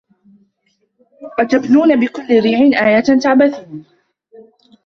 أَتَبنونَ بِكُلِّ ريعٍ آيَةً تَعبَثونَ